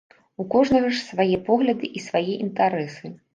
У кожнага ж свае погляды і свае інтарэсы.